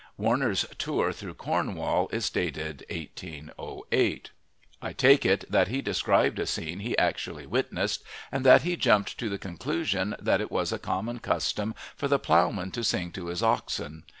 Warner's Tour through Cornwall is dated 1808. I take it that he described a scene he actually witnessed, and that he jumped to the conclusion that it was a common custom for the ploughman to sing to his oxen.